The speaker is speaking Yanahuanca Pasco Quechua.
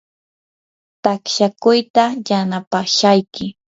taqshakuyta yanapashayki.